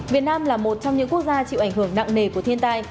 việt nam là một trong những quốc gia chịu ảnh hưởng nặng nề của thiên tai